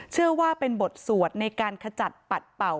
เชื่อว่าเป็นบทสวดในการขจัดปัดเป่า